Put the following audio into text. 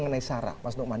di sarah mas nuqman